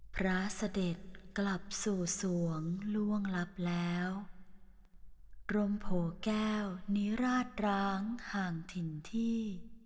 พระเสด็จกลับสู่สวงล่วงลับแล้วกรมโผแก้วนิราชร้างห่างถิ่นที่